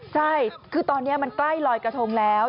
ใช่คือตอนนี้มันใกล้ลอยกระทงแล้ว